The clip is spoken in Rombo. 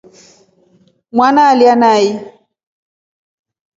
Mwana alya nai.